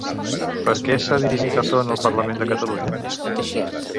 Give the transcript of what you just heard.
Per què s'ha dirigit Azón al Parlament de Catalunya?